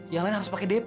yang lain harus pakai dp